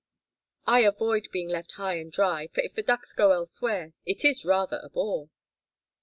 I avoid being left high and dry, for if the ducks go elsewhere it is rather a bore."